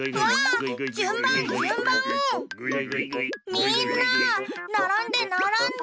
みんなならんでならんで。